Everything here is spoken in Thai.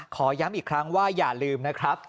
ขอย้ำอีกครั้งว่าอย่าลืมนะครับ